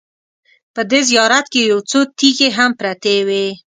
په دې زیارت کې یو څو تیږې هم پرتې وې.